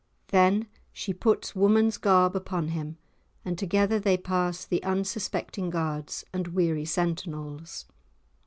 _"] Then she puts woman's garb upon him, and together they pass the unsuspecting guards and weary sentinels.